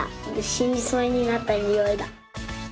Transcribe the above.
しにそうになったにおいだ。